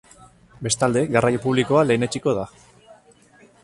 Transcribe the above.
Bestalde garraio publikoa lehenetsiko da.